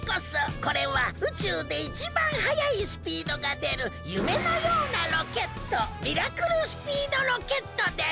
これは宇宙でいちばんはやいスピードがでるゆめのようなロケットミラクルスピードロケットです！